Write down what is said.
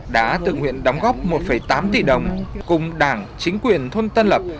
đã tự nguyện đóng góp một tám tỷ đồng cùng đảng chính quyền thôn tân lập